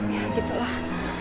ya gitu lah